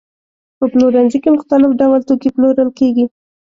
په پلورنځي کې مختلف ډول توکي پلورل کېږي.